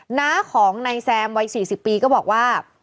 หน้าของนายแซมวัย๔๐ปีก็บอกว่า